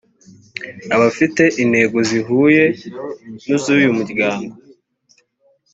abafite intego zihuye n’iz’uyu muryango